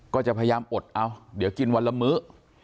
ก็จะพยายามอดเอาเดี๋ยวกินวันละมื้อ